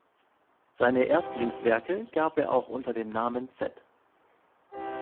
Seine Erstlingswerke gab er auch unter dem Namen "Z.